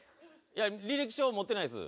履歴書持ってないです。